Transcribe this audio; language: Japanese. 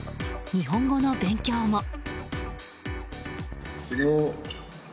日本語の勉強も。